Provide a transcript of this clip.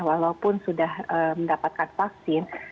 walaupun sudah mendapatkan vaksin